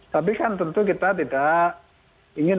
tapi kan tentu kita tidak ingin